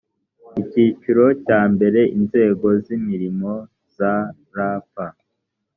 icyiciro cya mbere inzego z imirimo za rp